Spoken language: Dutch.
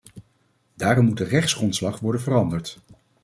Daarom moet de rechtsgrondslag worden veranderd.